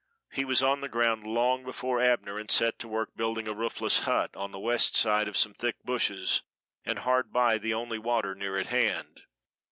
He was on the ground long before Abner, and set to work building a roofless hut on the west side of some thick bushes, and hard by the only water near at hand.